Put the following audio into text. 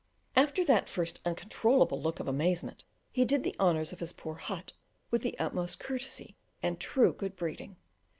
After that first uncontrollable look of amazement he did the honours of his poor hut with the utmost courtesy and true good breeding.